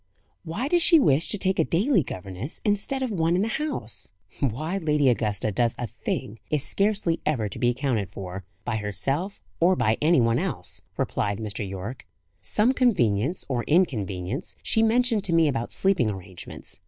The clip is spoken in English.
"Why does she wish to take a daily governess instead of one in the house?" "Why Lady Augusta does a thing, is scarcely ever to be accounted for, by herself or by any one else!" replied Mr. Yorke. "Some convenience, or inconvenience, she mentioned to me, about sleeping arrangements.